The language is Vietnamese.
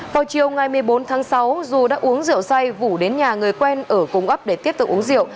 vào chiều ngày một mươi bốn tháng sáu dù đã uống rượu say vũ đến nhà người quen ở cung ấp để tiếp tục uống rượu